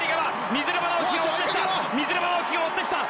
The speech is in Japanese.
水沼尚輝が追ってきた！